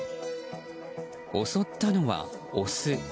襲ったのはオス。